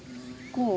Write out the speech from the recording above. こう。